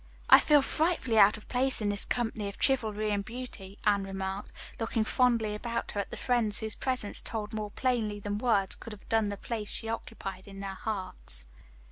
"I feel frightfully out of place in this company of chivalry and beauty," Anne remarked, looking fondly about her at the friends whose presence told more plainly than words could have done the place she occupied in their hearts.